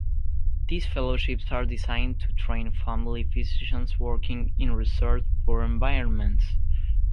These fellowships are designed to train family physicians working in resource poor environments.